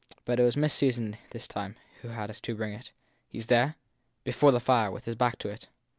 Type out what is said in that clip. But it was Miss Susan herself, this time, who had to bring it. He s there? Before the fire with his back to it.